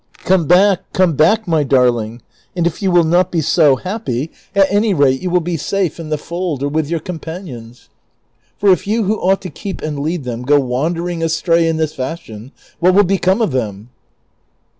Come back, come back, my darling ; and if you will not be so happy, at any rate you will be safe in the fold or with your companions ; for if you who ought to keep and lead them, go wandering astray in this fashion, what will become of them